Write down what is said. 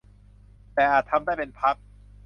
แต่อาจทำได้เป็นพัก